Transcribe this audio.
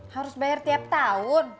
harus bayar tiap tahun